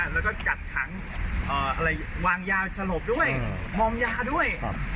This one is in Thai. แล้วก็จัดถังวางยาสลบด้วยมองยาด้วย